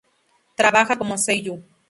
Trabaja como seiyu.